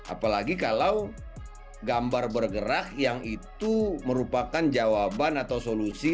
apalagi kalau gambar bergerak yang itu merupakan jawaban atau solusi